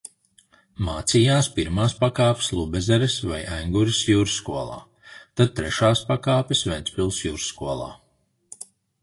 Mācījās pirmās pakāpes Lubezeres vai Engures jūrskolā, tad trešās pakāpes Ventspils jūrskolā.